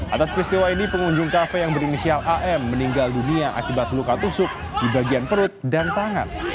atas peristiwa ini pengunjung kafe yang berinisial am meninggal dunia akibat luka tusuk di bagian perut dan tangan